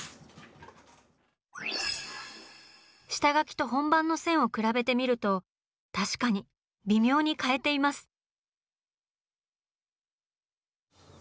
下描きと本番の線を比べてみると確かに微妙に変えています！